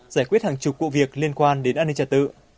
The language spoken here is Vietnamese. giải quyết hàng chục vụ việc liên quan đến an ninh trả tự